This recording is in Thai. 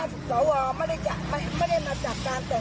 พวกคุณน่าแก่แล้วกลับไปเลี้ยงหลานเถอะ